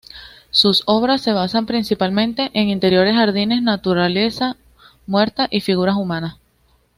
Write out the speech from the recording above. Sus obras se basan principalmente en interiores, jardines, naturaleza muerta y figuras humanas.